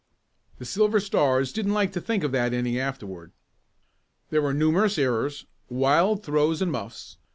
The Silver Stars didn't like to think of that inning afterward. There were numerous errors, wild throws and muffs.